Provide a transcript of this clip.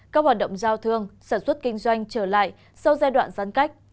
các hoạt động giao thương sản xuất kinh doanh trở lại sau giai đoạn giãn cách